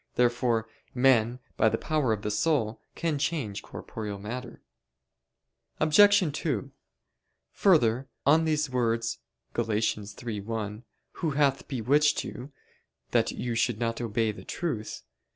Therefore men, by the power of the soul, can change corporeal matter. Obj. 2: Further, on these words (Gal. 3:1): "Who hath bewitched you, that you should not obey the truth?"